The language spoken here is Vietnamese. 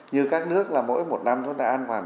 như các nước là mỗi một năm chúng ta ăn khoảng